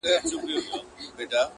خوار ژاړي هغه خاوري زړه ژوندی غواړي؛